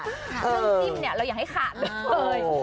เราอยากให้ขาดเลย